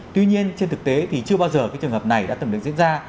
tuy nhiên trên thực tế thì chưa bao giờ cái trường hợp này đã từng được diễn ra